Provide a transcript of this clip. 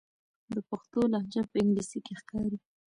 د پښتون لهجه په انګلیسي کې ښکاري.